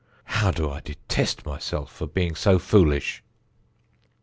How do I detest myself for being so foolish!